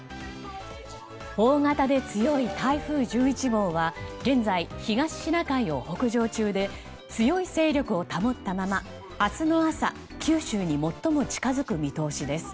大型で強い台風１１号は現在、東シナ海を北上中で強い勢力を保ったまま明日の朝九州に最も近づく見通しです。